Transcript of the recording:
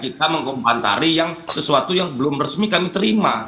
kita mengkompari yang sesuatu yang belum resmi kami terima